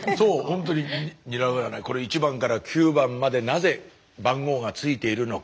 これ１番から９番までなぜ番号が付いているのか。